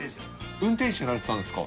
運転手やられてたんですか？